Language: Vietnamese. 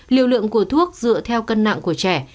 liều lượng của thuốc dựa theo cân nặng của trẻ